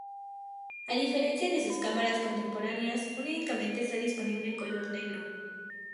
A diferencia de sus cámaras contemporáneas, únicamente está disponible en color negro.